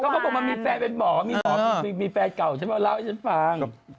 เขาบอกว่ามีแฟนเป็นหมอมีแฟนเก่าแล้วเล่าให้ฉันฟัง